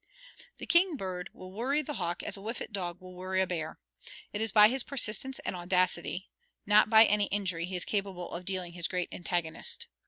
The king bird will worry the hawk as a whiffet dog will worry a bear. It is by his persistence and audacity, not by any injury he is capable of dealing his great antagonist.